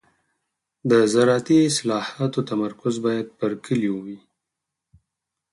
د زراعتي اصلاحاتو تمرکز باید پر کليو وي.